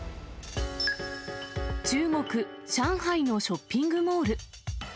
中国・上海のショッピングモール。